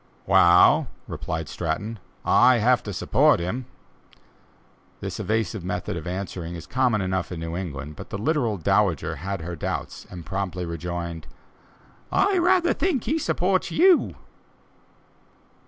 "Wa'al," replied Stratton, "I have to support him!" This evasive method of answering is common enough in New England, but the literal dowager had her doubts, and promptly rejoined: "I rather think he supports you!"